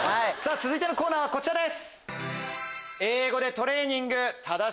続いてのコーナーはこちらです。